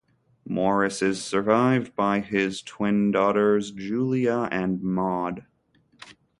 Morris is survived by his twin daughters Julia and Maude.